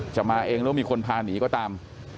มาเองแล้วมีคนพาหนีก็ตาม